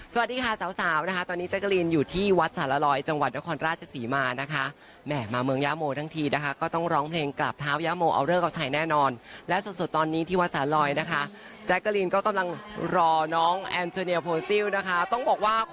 ส่วนที่สาวคนสวยแจ๊กกะลินลงพื้นที่ฮิบ